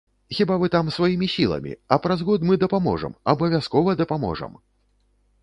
Хіба вы там сваімі сіламі, а праз год мы дапаможам, абавязкова дапаможам!